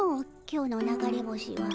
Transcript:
今日の流れ星は。